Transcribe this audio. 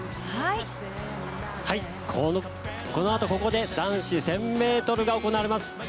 このあと、ここで男子１０００ｍが行われます。